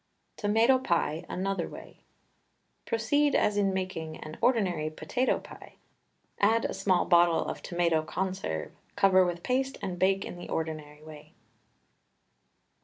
TOMATO PIE (ANOTHER WAY). Proceed as in making an ordinary potato pie. Add a small bottle of tomato conserve, cover with paste, and bake in the ordinary way.